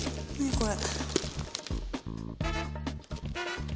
これ。